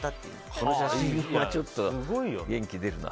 この写真はちょっと元気出るな。